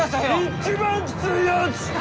一番きついやつ！